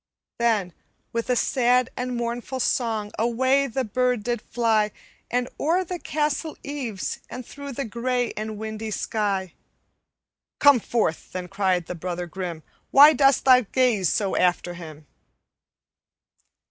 "Then, with a sad and mournful song, Away the bird did fly, And o'er the castle eaves, and through The gray and windy sky. 'Come forth!' then cried the brother grim, 'Why dost thou gaze so after him?'